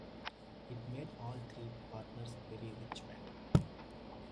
It made all three partners very rich men.